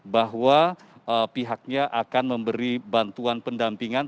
bahwa pihaknya akan memberi bantuan pendampingan